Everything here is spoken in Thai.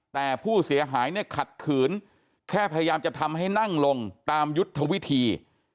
แต่ผู้เสียหายเนี่ยขัดขืนแค่พยายามจะทำให้นั่งลงตามยุทธวิธี